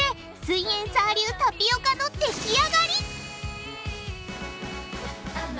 イエんサー流タピオカのできあがり！